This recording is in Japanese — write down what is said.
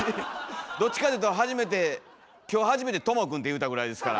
どっちかというと初めて今日初めて「とも君」て言うたぐらいですから。